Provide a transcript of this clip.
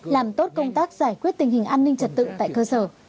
làm tốt công tác giải quyết tình hình an ninh trật tự tại cơ sở